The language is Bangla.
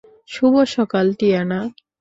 শুভ সকাল, টিয়ানা।